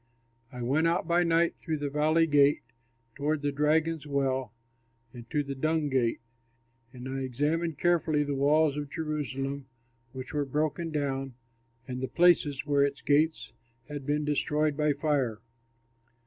I went out by night through the Valley Gate, toward the Dragon's Well and to the Dung Gate; and I examined carefully the walls of Jerusalem which were broken down and the places where its gates had been destroyed by fire.